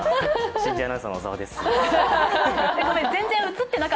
新人アナウンサーの小沢です。